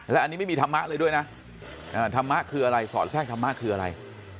และอันนี้ไม่มีธรรมะเลยด้วยนะธรรมะคืออะไรสอดแทรกธรรมะคืออะไร